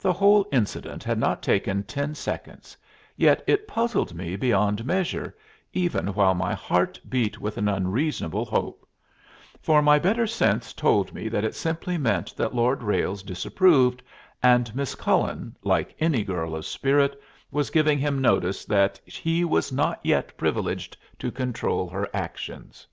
The whole incident had not taken ten seconds, yet it puzzled me beyond measure, even while my heart beat with an unreasonable hope; for my better sense told me that it simply meant that Lord Ralles disapproved, and Miss Cullen, like any girl of spirit, was giving him notice that he was not yet privileged to control her actions.